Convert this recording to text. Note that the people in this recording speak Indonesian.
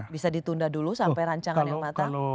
bisa ditunda dulu sampai rancangan yang matang